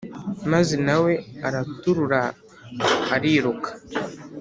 maze nawe araturura ariruka